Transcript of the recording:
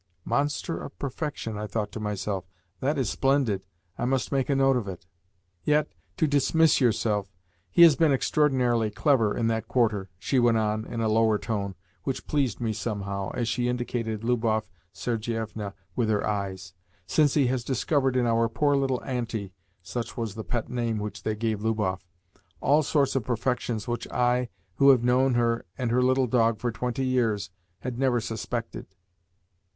"'Monster of perfection,'" I thought to myself. "That is splendid. I must make a note of it." "Yet, to dismiss yourself, he has been extraordinarily clever in that quarter," she went on in a lower tone (which pleased me somehow) as she indicated Lubov Sergievna with her eyes, "since he has discovered in our poor little Auntie" (such was the pet name which they gave Lubov) "all sorts of perfections which I, who have known her and her little dog for twenty years, had never yet suspected.